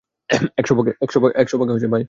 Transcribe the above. একশ ভাগ, ভাই!